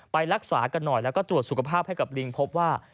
ไปรักษากันหน่อยแล้วก็ตรวจสุขภาพให้กับลิงพบว่า